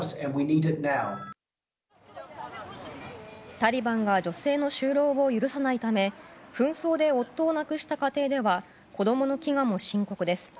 タリバンが女性の就労を許さないため紛争で夫を亡くした家庭では子供の飢餓も深刻です。